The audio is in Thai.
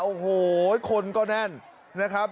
โอ้โหคนก็แน่นนะครับ